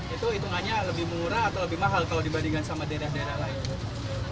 itu hitungannya lebih murah atau lebih mahal kalau dibandingkan sama daerah daerah lain